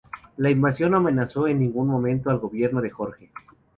La invasión no amenazó en ningún momento al gobierno de Jorge.